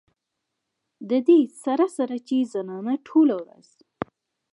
د دې سره سره چې زنانه ټوله ورځ